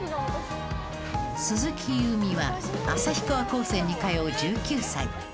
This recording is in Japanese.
鈴木夕湖は旭川高専に通う１９歳。